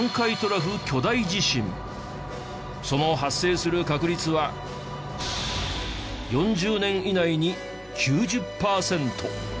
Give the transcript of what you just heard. その発生する確率は４０年以内に９０パーセント。